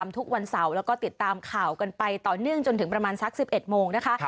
ทุกวันเสาร์แล้วก็ติดตามข่าวกันไปต่อเนื่องจนถึงประมาณสัก๑๑โมงนะคะ